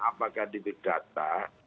apakah di bidata